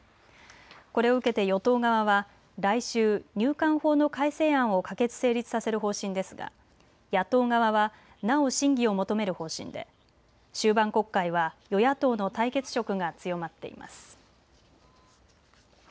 これを受けて与党側は来週、入管法の改正案を可決・成立させる方針ですが野党側はなお審議を求める方針で終盤国会は与野党の対決色が強まっています。